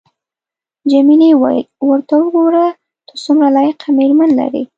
جميلې وويل:: ورته وګوره، ته څومره لایقه مېرمن لرې.